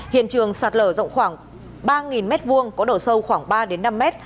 hiện trường sạt lở rộng khoảng ba nghìn m hai có độ sâu khoảng ba năm m